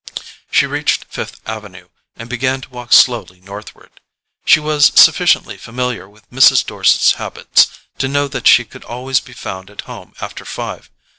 She reached Fifth Avenue and began to walk slowly northward. She was sufficiently familiar with Mrs. Dorset's habits to know that she could always be found at home after five.